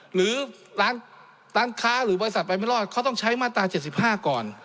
หรือร้านค้าหรือบริษัทไปไม่รอดเขาต้องใช้มาตรา๗๕ก่อน